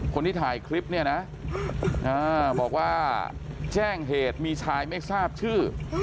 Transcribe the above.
คนที่ถ่ายคลิปเนี่ยนะบอกว่าแจ้งเหตุมีชายไม่ทราบชื่อ